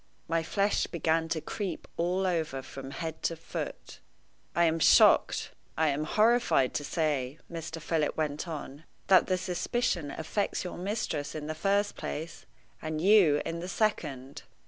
My flesh began to creep all over from head to foot. "I am shocked I am horrified to say," Mr. Philip went on, "that the suspicion affects your mistress in the first place, and you in the second."